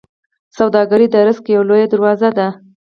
سوداګري د رزق یوه لویه دروازه ده.